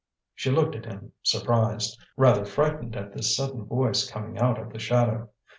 She looked at him surprised, rather frightened at this sudden voice coming out of the shadow.